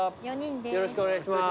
よろしくお願いします。